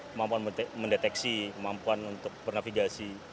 kemampuan mendeteksi kemampuan untuk bernavigasi